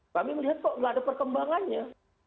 kami melihat kok nggak ada perkembangannya